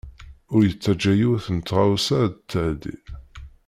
Ur yettaǧa yiwet n tɣawsa ad t-tɛeddi.